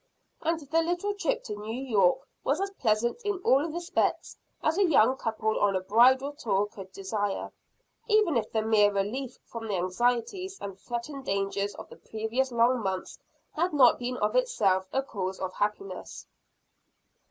And the little trip to New York was as pleasant in all respects as a young couple on a bridal tour could desire even if the mere relief from the anxieties and threatened dangers of the previous long months had not been of itself a cause of happiness.